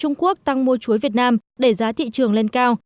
trung quốc tăng mua chuối việt nam để giá thị trường lên cao